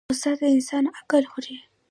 غصه د انسان عقل خوري